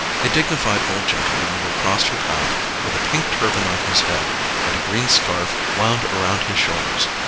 A dignified old gentleman will cross your path with a pink turban on his head and a green scarf wound around his shoulders.